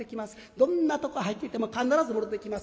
どんなとこ入ってても必ずもろてきます。